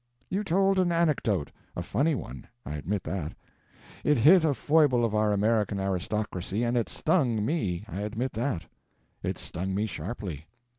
You told an anecdote. A funny one I admit that. It hit a foible of our American aristocracy, and it stung me I admit that; it stung me sharply.